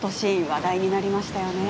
話題になりましたよね。